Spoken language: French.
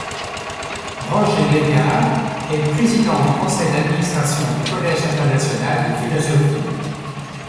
Roger Lesgards est président du conseil d'administration du Collège international de philosophie.